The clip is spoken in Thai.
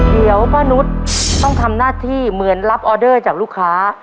เดี๋ยวป้านุษย์ต้องทำหน้าที่เหมือนรับออเดอร์จากลูกค้า